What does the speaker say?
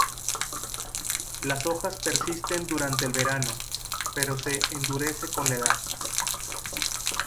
Las hojas persisten durante el verano, pero se endurece con la edad.